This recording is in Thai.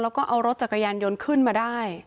แล้วก็เอารถจักรยานยนต์ขึ้นมาได้